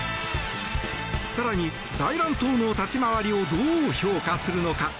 更に、大乱闘の立ち回りをどう評価するのか。